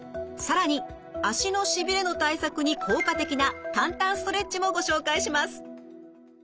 更に足のしびれの対策に効果的な簡単ストレッチもご紹介します。